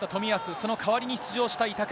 その代わりに出場した板倉。